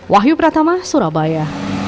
wahyu pratama surabaya